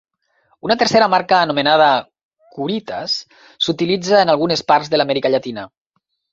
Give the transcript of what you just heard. Una tercera marca, anomenada "Curitas", s'utilitza en algunes parts de l'Amèrica Llatina.